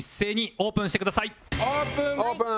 オープン。